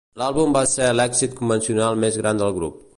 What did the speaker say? L'àlbum va ser l'èxit convencional més gran del grup.